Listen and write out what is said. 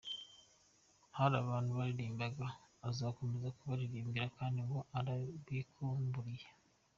Hari abantu yaririmbiraga, azakomeza kubaririmbira kandi ngo arabikumbuye.